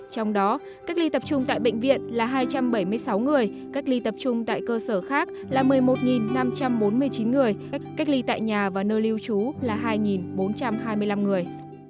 trong đó cách ly tập trung tại bệnh viện là hai trăm bảy mươi sáu người cách ly tập trung tại cơ sở khác là một mươi một năm trăm bốn mươi chín người cách ly tại nhà và nơi lưu trú là hai bốn trăm hai mươi năm người